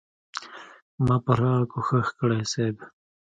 ما پوره کوشش کړی صيب.